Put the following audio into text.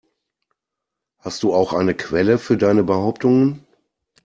Hast du auch eine Quelle für deine Behauptungen?